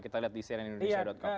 kita lihat di cnn indonesia com